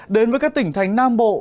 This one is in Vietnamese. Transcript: đến với các tỉnh thành nam bộ